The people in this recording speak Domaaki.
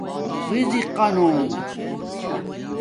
رزِقانو